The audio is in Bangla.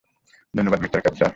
ধন্যবাদ, মিস্টার কেপ, স্যার।